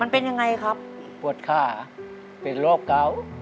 ปวดค่าเป็นโรคเก่า